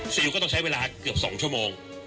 ก็ต้องใช้เวลาเกือบ๒ชั่วโมง